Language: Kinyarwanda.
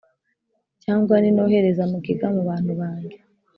cyangwa ninohereza mugiga mu bantu banjye;